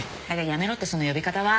やめろってその呼び方は。